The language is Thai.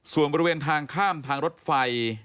ส่วนบริเวณทางข้ามทางรถไฟ